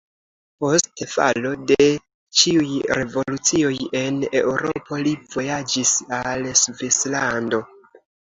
Post falo de ĉiuj revolucioj en Eŭropo li vojaĝis al Svislando.